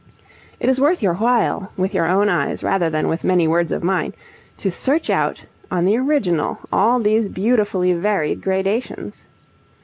It is worth your while, with your own eyes rather than with many words of mine, to search out on the original all these beautifully varied gradations.